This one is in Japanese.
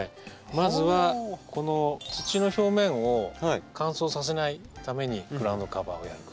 まずはこの土の表面を乾燥させないためにグラウンドカバーをやる。